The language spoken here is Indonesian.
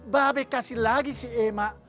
babi kasih lagi si emak